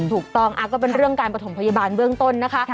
ถูกต้องก็เป็นเรื่องการประถมพยาบาลเบื้องต้นนะคะ